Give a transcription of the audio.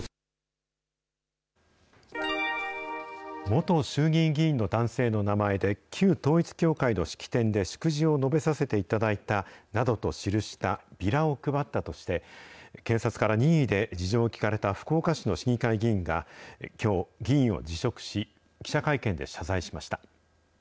元衆議院議員の男性の名前で、旧統一教会の式典で祝辞を述べさせていただいたなどと記したビラを配ったとして、警察から任意で事情を聴かれた福岡市の市議会議員が、きょう、議員を辞職し、記者会見で謝罪しました。